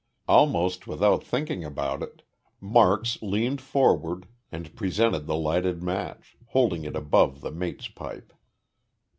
Almost without thinking about it, Marks leaned forward and presented the lighted match, holding it above the mate's pipe.